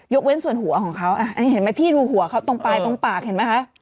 เว้นส่วนหัวของเขาอันนี้เห็นไหมพี่ดูหัวเขาตรงปลายตรงปากเห็นไหมคะ